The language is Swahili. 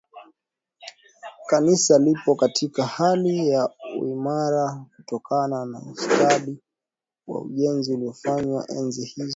Kanisa lipo katika hali ya uimara kutokana na ustadi wa ujenzi uliofanywa enzi hizo